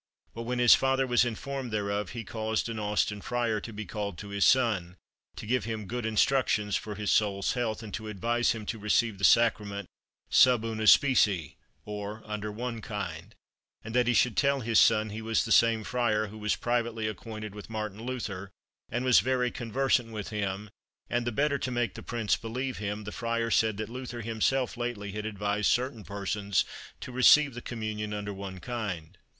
But when his father was informed thereof, he caused an Austin Friar to be called to his son, to give him good instructions for his soul's health, and to advise him to receive the Sacrament sub una specie, or under one kind, and that he should tell his son he was the same Friar who was privately acquainted with Martin Luther, and was very conversant with him; and, the better to make the Prince believe him, the Friar said that Luther himself lately had advised certain persons to receive the communion under one kind.